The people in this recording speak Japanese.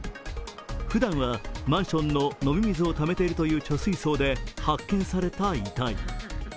ふだんはマンションの飲み水をためているという貯水槽で発見された遺体。